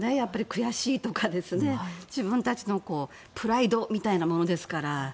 悔しいとか自分たちのプライドみたいなものですから。